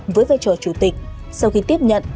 với vai trò chủ tịch sau khi tiếp nhận